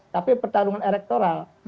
tapi pertarungan elektoral